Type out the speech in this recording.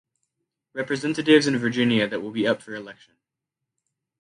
Representatives in Virginia that will be up for election.